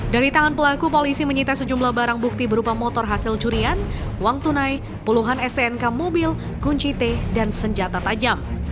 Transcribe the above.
dari tangan pelaku polisi menyita sejumlah barang bukti berupa motor hasil curian uang tunai puluhan stnk mobil kunci t dan senjata tajam